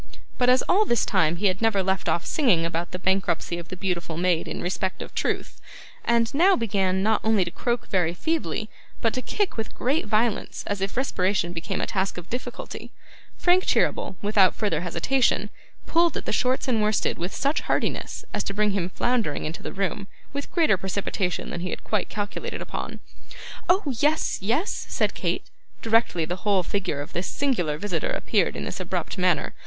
But, as all this time he had never left off singing about the bankruptcy of the beautiful maid in respect of truth, and now began not only to croak very feebly, but to kick with great violence as if respiration became a task of difficulty, Frank Cheeryble, without further hesitation, pulled at the shorts and worsteds with such heartiness as to bring him floundering into the room with greater precipitation than he had quite calculated upon. 'Oh! yes, yes,' said Kate, directly the whole figure of this singular visitor appeared in this abrupt manner.